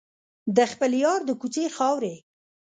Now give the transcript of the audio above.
د خپل یار د کوڅې خاورې.